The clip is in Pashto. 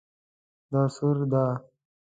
دا سور ده